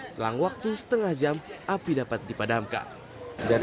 selang waktu setengah jam api dapat dipadamkan